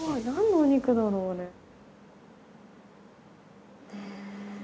何のお肉だろうね。